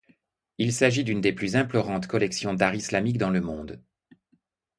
Il s'agit d'une des plus implorantes collections d'art islamique dans le monde.